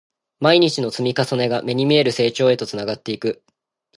毎日の積み重ねが、目に見える成長へとつながっていく